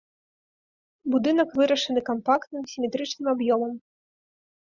Будынак вырашаны кампактным сіметрычным аб'ёмам.